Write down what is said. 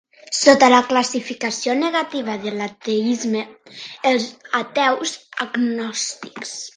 Sota la classificació negativa de l'ateisme, els ateus agnòstics.